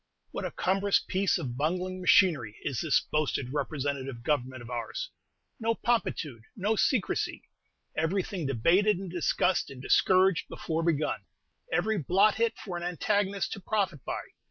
What a cumbrous piece of bungling machinery is this boasted "representative government" of ours! No promptitude, no secrecy! Everything debated, and discussed, and discouraged, before begun; every blot hit for an antagonist to profit by!